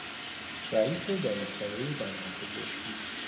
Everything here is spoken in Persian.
رئیس دانشکدهی دندانپزشکی